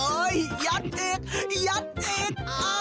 เอ่ยยัดอีกยัดอีก